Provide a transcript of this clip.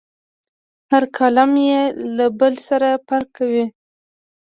هر کالم یې له بل سره فرق کوي.